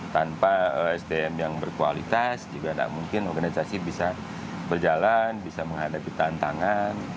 tanpa sdm yang berkualitas juga tidak mungkin organisasi bisa berjalan bisa menghadapi tantangan